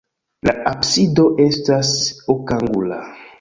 La absido estas okangula.